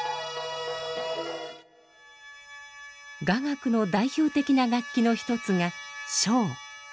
雅楽の代表的な楽器の一つが笙。